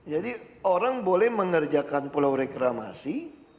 jadi orang boleh mengerjakan pulau reklamasi